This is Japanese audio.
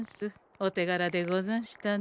おてがらでござんしたね。